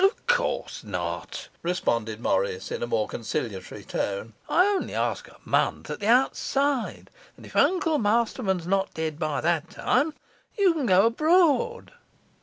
'Of course not,' responded Morris, in a more conciliatory tone; 'I only ask a month at the outside; and if Uncle Masterman is not dead by that time you can go abroad.